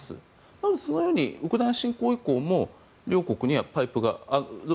なので、そのようにウクライナ侵攻以降も両国にはパイプがある。